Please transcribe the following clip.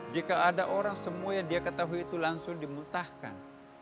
jika ada orang semua yang dia ketahui itu langsung dimuntahkan